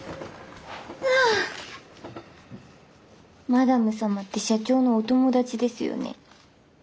あマダム様って社長のお友達ですよね。